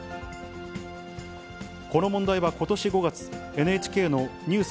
この問題はことし５月、ＮＨＫのニュース